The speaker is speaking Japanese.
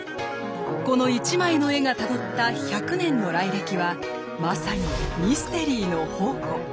この一枚の絵がたどった１００年の来歴はまさにミステリーの宝庫。